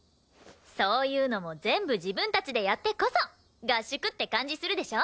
そういうのも全部自分たちでやってこそ合宿って感じするでしょ？